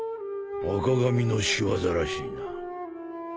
赤髪の仕業らしいな。